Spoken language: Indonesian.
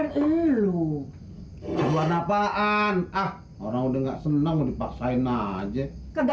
sana muluh maen buat keperluan lu berdoa apaan ah orang udah nggak senang dipaksain aja kaget